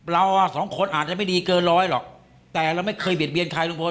เราอ่ะสองคนอาจจะไม่ดีเกินร้อยหรอกแต่เราไม่เคยเบียดเบียนใครลุงพล